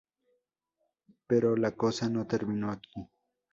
Pero la cosa no terminó aquí.